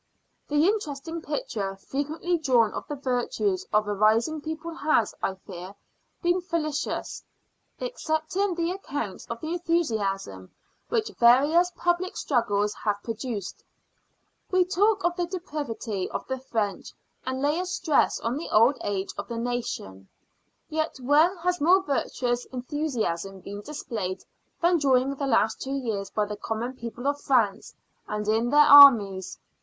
The interesting picture frequently drawn of the virtues of a rising people has, I fear, been fallacious, excepting the accounts of the enthusiasm which various public struggles have produced. We talk of the depravity of the French, and lay a stress on the old age of the nation; yet where has more virtuous enthusiasm been displayed than during the two last years by the common people of France, and in their armies?